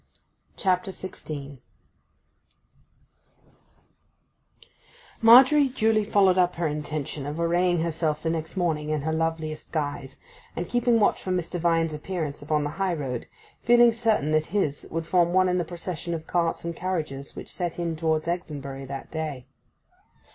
CHAPTER XVI. Margery duly followed up her intention by arraying herself the next morning in her loveliest guise, and keeping watch for Mr. Vine's appearance upon the high road, feeling certain that his would form one in the procession of carts and carriages which set in towards Exonbury that day.